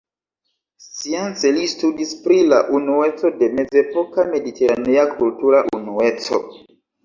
Science li studis pri la unueco de mezepoka mediteranea kultura unueco.